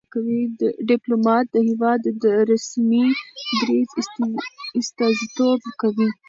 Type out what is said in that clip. ډيپلومات د هېواد د رسمي دریځ استازیتوب کوي.